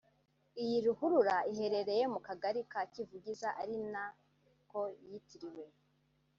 Iyi ruhurura iherereye mu kagari ka Kivugiza ari na ko yitiriwe